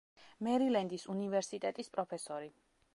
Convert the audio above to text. მერილენდის უნივერსიტეტის პროფესორი.